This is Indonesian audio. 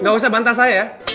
gak usah bantah saya ya